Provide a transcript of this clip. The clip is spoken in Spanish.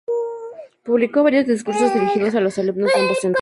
Publicó varios discursos dirigidos a los alumnos de ambos centros.